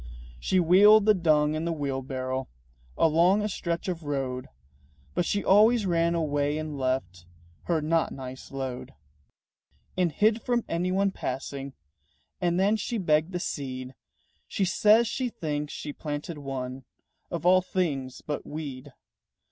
She wheeled the dung in the wheelbarrow Along a stretch of road; But she always ran away and left Her not nice load. And hid from anyone passing. And then she begged the seed. She says she thinks she planted one Of all things but weed.